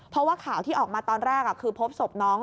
เพราะว่าข่าวที่ออกมาตอนแรกคือพบศพน้อง